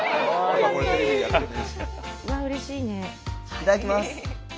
いただきます。